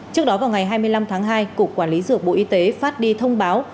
trước đó vào ngày hai mươi năm tháng hai cục quản lý dược bộ y tế phát đi thông báo